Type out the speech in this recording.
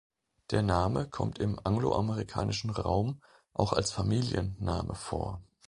Der Name kommt im anglo-amerikanischen Raum auch als Familienname vor.